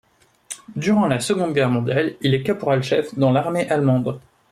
Durant la Seconde Guerre mondiale, il est caporal-chef dans l’armée allemande.